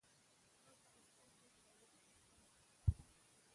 ښه خلک تل لږ او وخت يې کم وي،